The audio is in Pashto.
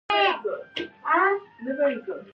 د کابل سیند د افغانستان د سیلګرۍ یوه برخه ده.